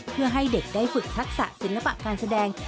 เพื่อให้เด็กได้ฝึกทักษะศิลปะการแสดง